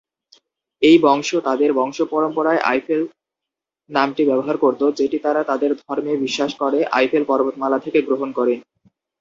এই বংশ তাদের বংশপরম্পরায় আইফেল নামটি ব্যবহার করত, যেটি তারা তাদের ধর্মে বিশ্বাস করে আইফেল পর্বতমালা থেকে গ্রহণ করে।